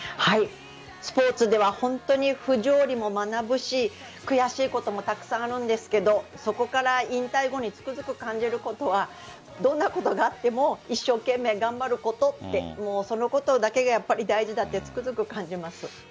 スポーツでは本当に不条理も学ぶし悔しいこともたくさんあるんですけどそこから引退後につくづく感じることはどんなことがあっても一生懸命頑張ることってそのことだけが大事だってつくづく感じます。